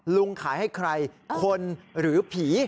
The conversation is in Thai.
ลุงขายให้ใครคนหรือผี